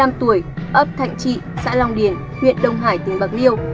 ấp thạnh trị xã long điền huyện đông hải tỉnh bạc liêu